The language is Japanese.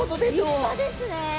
立派ですね。